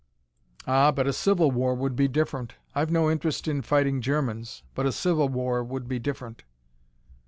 "Ah, but a civil war would be different. I've no interest in fighting Germans. But a civil war would be different."